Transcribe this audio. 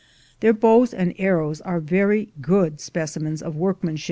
Their bows and arrows are very good specimens of workmanship.